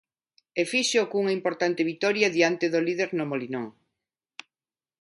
E fíxoo cunha importante vitoria diante do líder no Molinón.